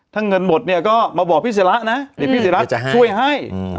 ถ้าเงินหมดเนี้ยก็มาบอกพี่ศีระนะอืมพี่ศีระช่วยให้อืม